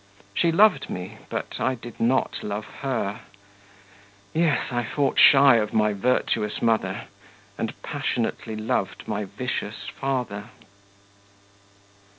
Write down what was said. She loved me, but I did not love her. Yes! I fought shy of my virtuous mother, and passionately loved my vicious father.